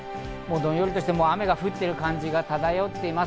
どんよりとして雨が降っている感じが漂っています。